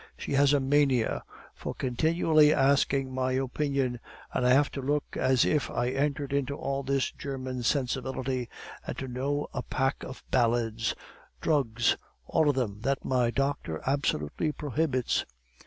She has a mania for continually asking my opinion, and I have to look as if I entered into all this German sensibility, and to know a pack of ballads drugs, all of them, that my doctor absolutely prohibits.